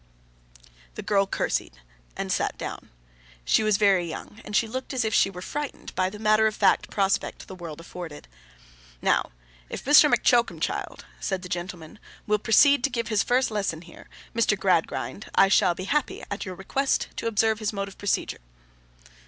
The girl curtseyed, and sat down. She was very young, and she looked as if she were frightened by the matter of fact prospect the world afforded. 'Now, if Mr. M'Choakumchild,' said the gentleman, 'will proceed to give his first lesson here, Mr. Gradgrind, I shall be happy, at your request, to observe his mode of procedure.